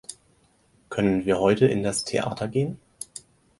Können wir heute in das Theater gehen?